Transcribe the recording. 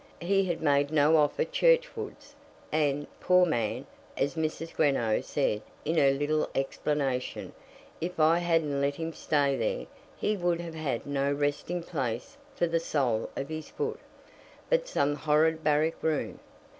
He had made no offer churchwards, and, "Poor man," as Mrs. Greenow said in her little explanation, "if I hadn't let him stay there, he would have had no resting place for the sole of his foot, but some horrid barrack room!"